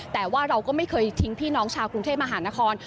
แต่ว่าเราก็ไม่เคยทิ้งพี่น้องชาวกรุงเทพมหานคร